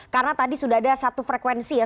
karena tadi sudah ada satu frekuensi ya